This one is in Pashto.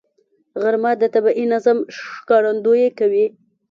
غرمه د طبیعي نظم ښکارندویي کوي